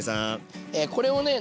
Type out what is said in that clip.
これをね